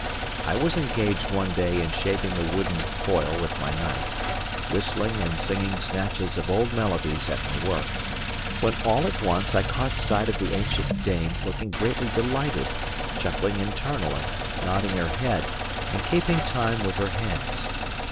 I was engaged one day in shaping a wooden foil with my knife, whistling and singing snatches of old melodies at my work, when all at once I caught sight of the ancient dame looking greatly delighted, chuckling internally, nodding her head, and keeping time with her hands.